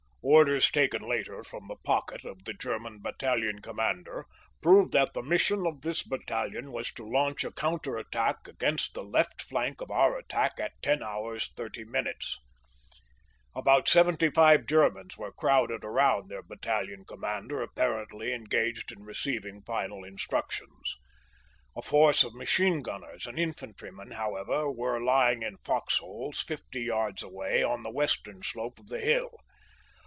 Orders taken later from the pocket of the German battalion commander proved that the mission of this battalion was to launch a counter attack against the left flank x)f our attack at 10 hours 30 minutes. About seventy five Germans were crowded around their battalion commander, apparently engaged in receiving final instruc tions. A force of machine gunners and infantrymen, how ever, were lying in fox holes fifty yards away on the west ern slope of the hill.